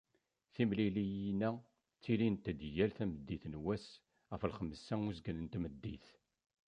Timliliyin-a, ttilint-d yal tameddit n wass ɣef lxemsa d uzgen n tmeddit.